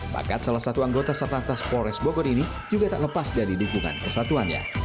bakat salah satu anggota satlantas polres bogor ini juga tak lepas dari dukungan kesatuannya